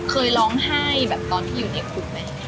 เคยร้องไห้แบบตอนที่อยู่ในคุกไหม